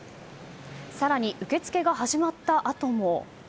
更に受け付けが始まったあとも。